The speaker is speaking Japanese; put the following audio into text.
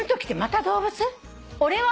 「俺は？